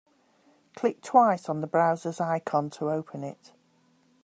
Click twice on the browser's icon to open it.